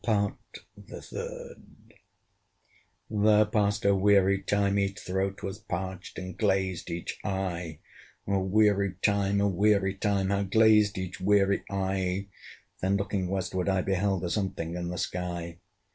PART THE THIRD. There passed a weary time. Each throat Was parched, and glazed each eye. A weary time! a weary time! How glazed each weary eye, When looking westward, I beheld A something in the sky.